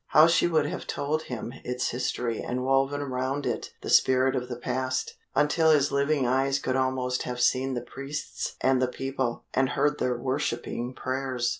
How she would have told him its history and woven round it the spirit of the past, until his living eyes could almost have seen the priests and the people, and heard their worshipping prayers!